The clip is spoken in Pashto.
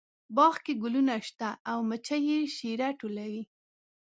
باغ کې ګلونه شته او مچۍ یې شیره ټولوي